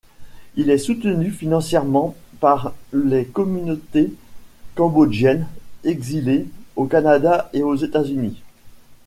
Il est soutenu financièrement par les communautés cambodgiennes exilées au Canada et aux États-Unis.